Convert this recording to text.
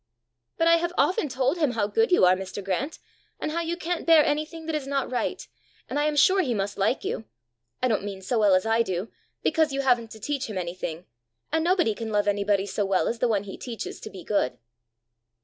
"But I have often told him how good you are, Mr. Grant, and how you can't bear anything that is not right, and I am sure he must like you I don't mean so well as I do, because you haven't to teach him anything, and nobody can love anybody so well as the one he teaches to be good."